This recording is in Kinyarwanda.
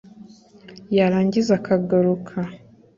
yarangiza akagaruka